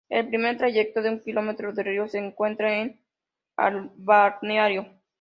En el primer trayecto de un kilómetro del río se encuentra el balneario.